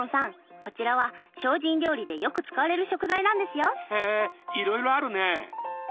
こちらは精進料理でよく使われる食材なんですよ。へいろいろあるね。